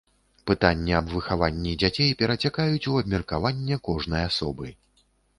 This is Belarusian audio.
Пытанні аб выхаванні дзяцей перацякаюць у абмеркаванне кожнай асобы.